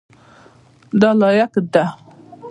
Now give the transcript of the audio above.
دا لاییک ده.